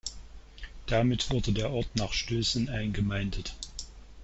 Damit wurde der Ort nach Stößen eingemeindet.